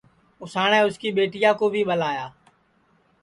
اُساٹؔے اُس کی ٻیٹیا کُو بھی ٻلایا